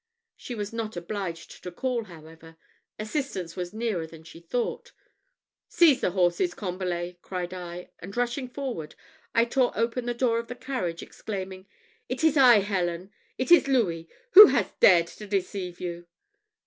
She was not obliged to call, however. Assistance was nearer than she thought. "Seize the horses, Combalet," cried I; and rushing forward, I tore open the door of the carriage, exclaiming, "It is I, Helen! it is Louis! Who has dared to deceive you?"